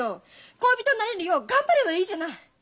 恋人になれるよう頑張ればいいじゃない。